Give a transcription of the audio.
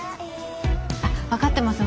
あっ分かってます